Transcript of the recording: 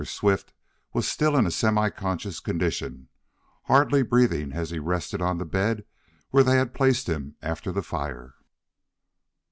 Swift was still in a semi conscious condition, hardly breathing as he rested on the bed where they had placed him after the fire.